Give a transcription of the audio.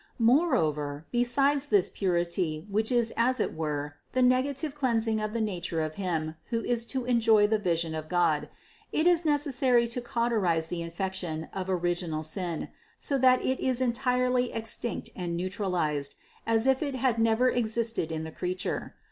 624. Moreover, besides this purity which is as it were the negative cleansing of the nature of him who is to en joy the vision of God, it is necessary to cauterize the in fection of original sin, so that it is entirely extinct and neutralized, as if it had never existed in the creature.